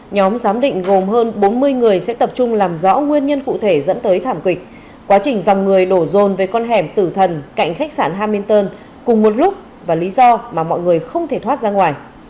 nhóm giám định gồm hơn bốn mươi người sẽ tập trung làm rõ nguyên nhân cụ thể dẫn tới thảm kịch quá trình dòng người đổ rồn về con hẻm tử thần cạnh khách sạn haminston cùng một lúc và lý do mà mọi người không thể thoát ra ngoài